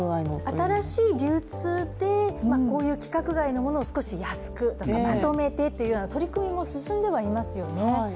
新しい流通で、こういう規格外のものを少し安くとかまとめてというような取り組みも進んではいますよね。